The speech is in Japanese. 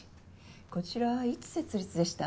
こちらいつ設立でした？